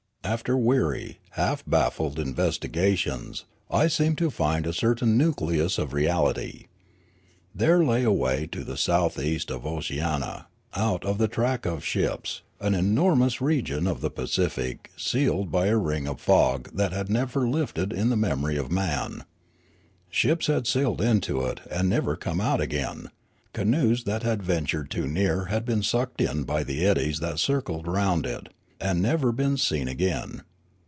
After weary, half baffled investigation, I seemed to find a certain nucleus of reality. There lay away to the south east of Oceania, out of the track of ships, an enormous region of the Pacific sealed by a ring of fog that had never lifted in the memor}' of man. Ships had sailed into it and never come out again ; canoes that had ventured too near had been sucked in by the eddies that circled round it, and never been seen again.